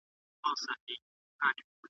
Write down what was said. پر تندي مي سجده نسته له انکار سره مي ژوند دی `